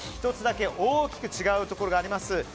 １つだけ大きく違うところがあります。